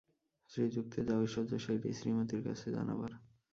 শ্রীযুক্তের যা ঐশ্বর্য সেইটেই শ্রীমতীর কাছে জানাবার।